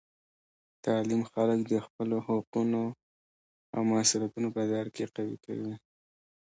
تعلیم خلک د خپلو حقونو او مسؤلیتونو په درک کې قوي کوي.